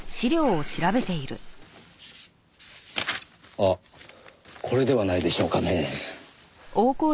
あっこれではないでしょうかねぇ。